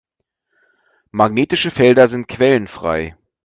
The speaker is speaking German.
Magnetische Felder sind quellenfrei.